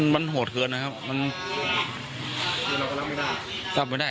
มันโหดเคลิร์นเลยครับมันรับไม่ได้